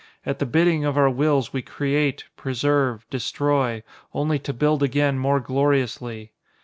At the bidding of our wills we create, preserve, destroy only to build again more gloriously.